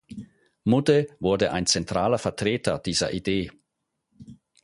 Mudde wurde ein zentraler Vertreter dieser Idee.